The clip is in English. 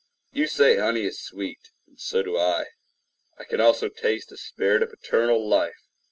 You say honey is sweet, and so do I. I can also taste the spirit of eternal life.